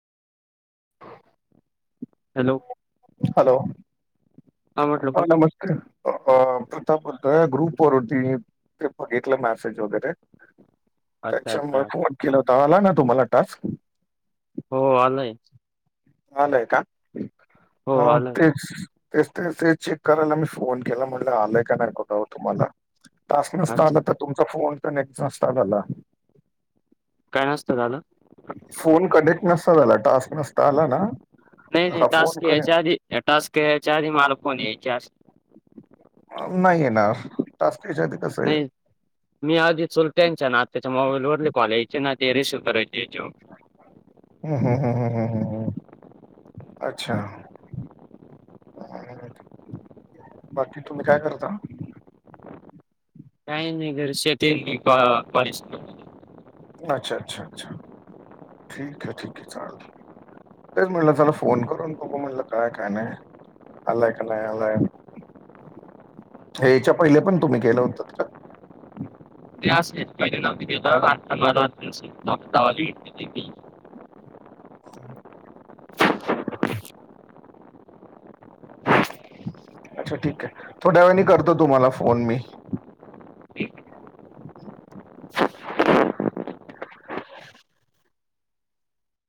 Hello hello हा म्हटलं ह कोण नमस्कार प्रथ ग्रुप ववर होती ते बघितलं मेसेज वगैरे अच्छा त्याच्या अच्छा फोन केला होता आला ना तुम्हाला टास्क हो आलंय आलंय का हो आलंय तेच तेच तेच ते चेक करायला मी फोन केला म्हटलं आलाय का नाही कठवर तुम्हाला तस्क नसता आला अच्छा तर तुमचा फोन तर नेक् नसता झाला. काय नसतं झालं फोन कनेक्ट नसता झाला टास् नसता काला ना ह फोन कणे या टास्क या्यायच्या आधी मला फोन यायच्या नाहीये ना तच त्याच्या नाही. मी आधी चुल त्यांच्या ना आ त्याच्या मोबाईल वरली कॉलेजचे ना ते रिसीव करायची हम् हम् हम् हम् हम् हम्.. अच्छा बाकी तुम्ही काय करता काही नाही घर शती अच्छा अच्छा अच्छा ठीक आहे ठीक आहे चा तेच म्हटलं चला फोन करून बोघो म्हटलं काय काय नाही. आलाय का नाहीय आलाय हच्या पहिले पण तुम्ही केलं होत. [unintelligible] [inaudible] अच्छा ठीक आहे, थोड्या वेळा नी करतो तुम्हाला फोन मी [inaudible]